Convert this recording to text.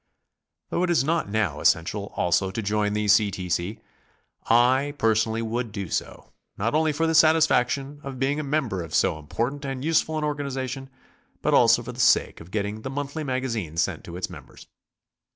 Though it is not now essential also to join the C. T. C., T personally would do so, not only for the satisfaction of being a member of so important and useful an organization, but also for the sake of getting the monthly magazine sent to its members.